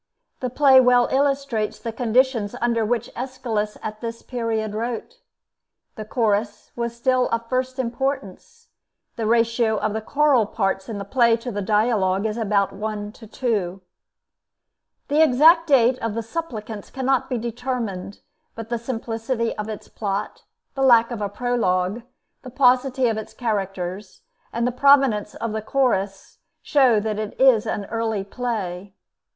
The play well illustrates the conditions under which Aeschylus at this period wrote. The Chorus was still of first importance; the ratio of the choral parts in the play to the dialogue is about one to two. The exact date of the 'Suppliants' cannot be determined; but the simplicity of its plot, the lack of a prologue, the paucity of its characters, and the prominence of the Chorus, show that it is an early play.